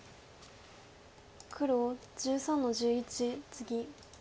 黒１３の十一ツギ。